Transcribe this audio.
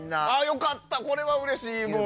よかった、これはうれしい。